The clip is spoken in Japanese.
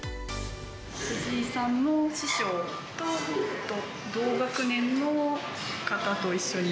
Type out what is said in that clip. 藤井さんの師匠と同学年の方と一緒に。